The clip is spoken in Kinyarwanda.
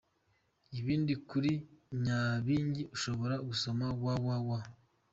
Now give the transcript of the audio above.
Ibindi kuri nyabingi ushobora gusoma : www.